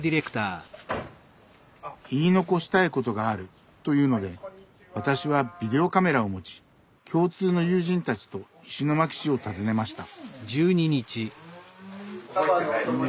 「言い残したいことがある」というので私はビデオカメラを持ち共通の友人たちと石巻市を訪ねました。